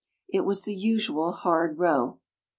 It was the usual hard row.